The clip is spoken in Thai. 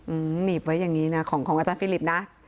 หนีบไว้อย่างนี้นะของของอาจารย์ฟิลิปนะ